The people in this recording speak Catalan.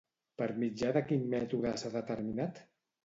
Per mitjà de quin mètode s'ha determinat?